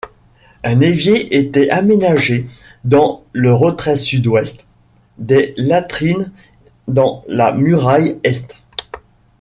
Un évier était aménagé dans le retrait sud-ouest, des latrines dans la muraille est.